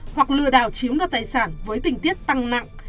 hoặc lừa đảo chiếm đoạt tài sản với tình tiết tăng nặng